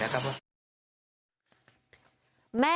ค่ะ